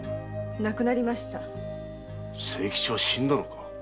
清吉は死んだのか？